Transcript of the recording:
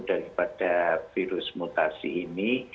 daripada virus mutasi ini